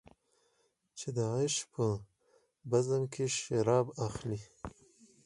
چې د عیش په بزم کې شراب اخلې.